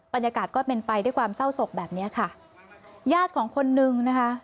บรรยากาศก็เป็นไปด้วยความเศร้าศกแบบเนี้ยค่ะญาติของคนนึงนะคะ